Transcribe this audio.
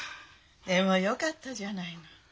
でもよかったじゃないの。